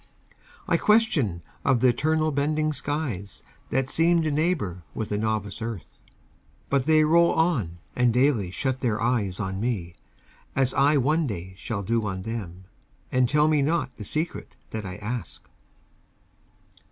I question of th' eternal bending skies That seem to neighbor with the novice earth; But they roll on, and daily shut their eyes On me, as I one day shall do on them, And tell me not the secret that I ask.